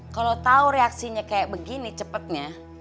kalau tau reaksinya kayak begini cepetnya